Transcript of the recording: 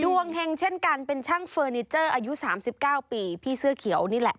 เฮงเช่นกันเป็นช่างเฟอร์นิเจอร์อายุ๓๙ปีพี่เสื้อเขียวนี่แหละ